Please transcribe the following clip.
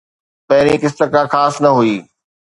پهرين قسط ڪا خاص نه هئي